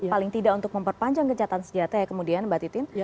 paling tidak untuk memperpanjang gencatan senjata ya kemudian mbak titin